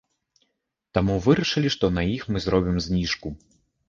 Таму вырашылі, што на іх мы зробім зніжку.